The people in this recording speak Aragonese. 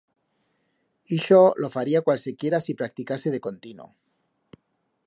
Ixo lo faría cualsequiera si practicase de contino.